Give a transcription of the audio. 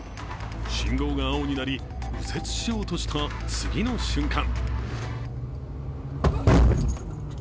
信号が青になり右折しようとした次の瞬間。